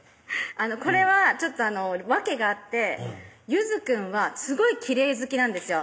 これはちょっと訳があってゆずくんはすごいきれい好きなんですよ